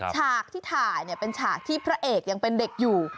ฉากที่ถ่ายเป็นฉากที่พระเอกยังเป็นเด็กอยู่